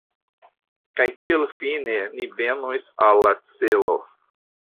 Kaj kiel fine ni venos al la celo?